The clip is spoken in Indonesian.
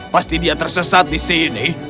pasti dia tersesat di sini